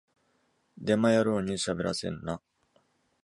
デマ野郎にしゃべらせるな